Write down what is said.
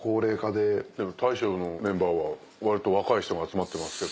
でも大将のメンバーは割と若い人が集まってますけど。